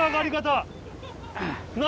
何？